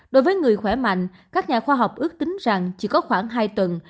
đối với người khỏe mạnh các nhà khoa học ước tính rằng chỉ có khoảng hai tuần